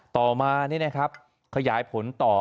ต่อมาเนี่ยนะครับขยายผลต่อ